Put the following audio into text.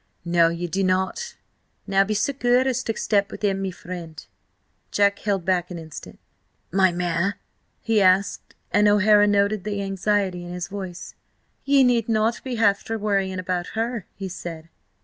"No, ye do not! Now be so good as to step within, me friend." Jack held back an instant. "My mare?" he asked, and O'Hara noted the anxiety in his voice. "Ye need not be after worrying about her," he said.